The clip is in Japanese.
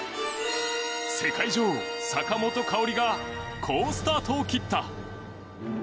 世界女王・坂本花織が好スタートを切った。